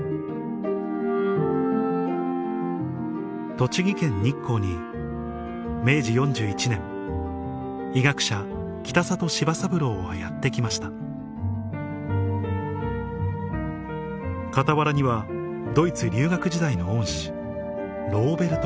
栃木県日光に明治４１年医学者北里柴三郎はやって来ました傍らにはドイツ留学時代の恩師ローベルト